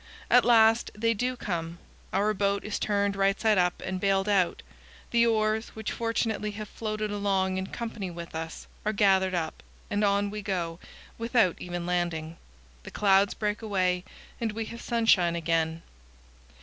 At last they do come; our boat is turned right side up and bailed out; the oars, which fortunately have floated along in company with us, are gathered up, and on we go, without even landing. The clouds break away and we have sunshine again.